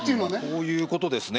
「こういうことですね」